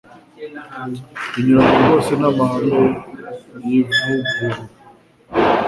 binyuranye rwose n’amahame y’ivugurura